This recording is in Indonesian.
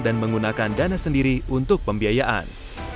dan menggunakan dana sendiri untuk pembiayaan